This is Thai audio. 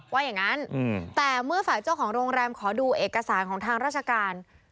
ว่าอย่างนั้นแต่เมื่อฝ่ายเจ้าของโรงแรมขอดูเอกสารของทางราชการ